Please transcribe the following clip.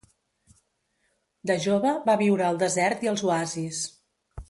De jove va viure al desert i als oasis.